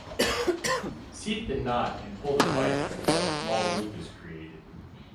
Seat the knot and pull the bight until a small loop is created.